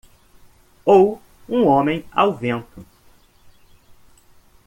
ou um homem ao vento.